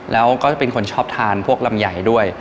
แล้วก็จะเป็นคนชอบทานพวกลำไยด้วย